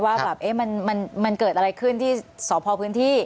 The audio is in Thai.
ว่าแบบมันเกิดอะไรขึ้นที่สพพื้นที่